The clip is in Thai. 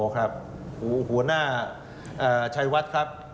อ๋อครับหัวหน้าชัยวัฒน์ครับ